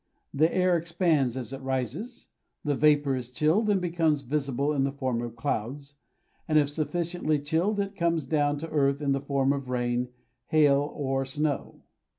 The air expands as it rises, the vapour is chilled and becomes visible in the form of clouds, and if sufficiently chilled, it comes down to the earth in the form of rain, hail, or snow.